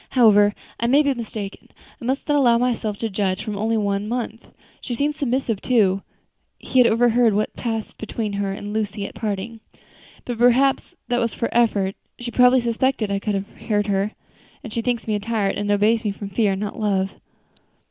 "However, I may be mistaken; I must not allow myself to judge from only one month. She seems submissive, too," he had overheard what passed between her and Lucy at parting "but perhaps that was for effect; she probably suspected I could hear her and she thinks me a tyrant, and obeys from fear, not love."